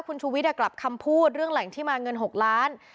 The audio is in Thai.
คุณชูวิทย์กลับคำพูดเรื่องแหล่งที่มาเงิน๖ล้าน